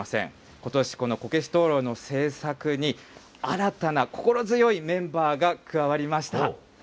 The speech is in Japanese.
ことしこのこけし灯ろうの製作に新たな心強いメンバーが加わりました。